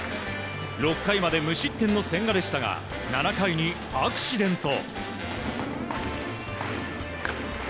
６回まで無失点の千賀でしたが７回にアクシデント。